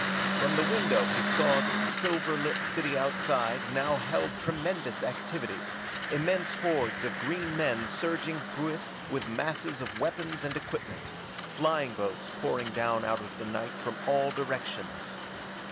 From the window he saw that the silver lit city outside now held tremendous activity, immense hordes of green men surging through it with masses of weapons and equipment, flying boats pouring down out of the night from all directions.